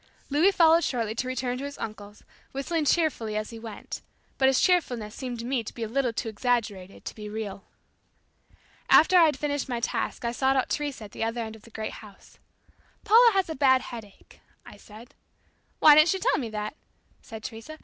Louis followed shortly to return to his uncle's, whistling cheerfully as he went; but his cheerfulness seemed to me to be a little too exaggerated to be real. After I'd finished my task I sought out Teresa at the other end of the great house. "Paula has a bad headache," I said. "Why didn't she tell me that?" said Teresa.